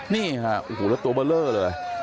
นี่ค่ะอู้หูแล้วตัวเบลอเลย